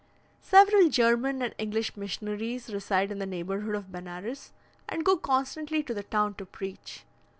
Several German and English missionaries reside in the neighbourhood of Benares, and go constantly to the town to preach.